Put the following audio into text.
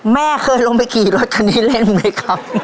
แม่เคยลงไปขี่รถคันนี้เล่นไหมครับ